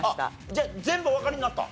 じゃあ全部おわかりになった？